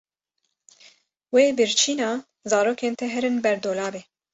Wê birçîna zarokên te herin ber dolabê.